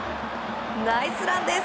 ナイスランです。